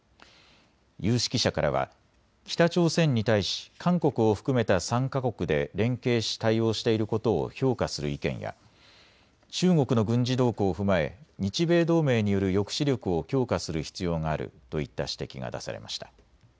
有識者からは北朝鮮に対し韓国を含めた３か国で連携し対応していることを評価する意見や中国の軍事動向を踏まえ日米同盟による抑止力を強化する必要があるといった指摘が出されました。